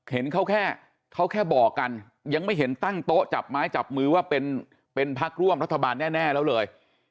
เห็นเขาแค่เขาแค่บอกกันยังไม่เห็นตั้งโต๊ะจับไม้จับมือว่าเป็นพักร่วมรัฐบาลแน่แล้วเลย